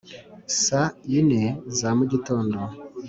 Saa ine za mugitondo